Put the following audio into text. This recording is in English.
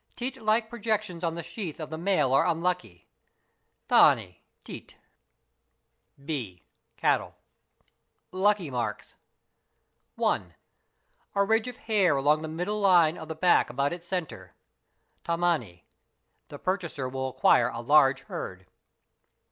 Teat lke projections on the sheath of the male are unlucky, | (thanni= teat). HORSE AND CATTLE MARKS 819 (b) Cattle. _ Lucky marks. 1. A ridge of hair along the middle line of the back about its centre, (tamant) =the purchaser will acquire a large herd.